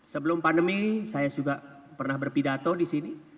sebelum pandemi saya juga pernah berpidato di sini